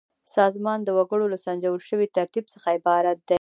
سازمان د وګړو له سنجول شوي ترتیب څخه عبارت دی.